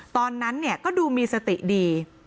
ตอนนั้นเนี่ยก็ดูมีสติดี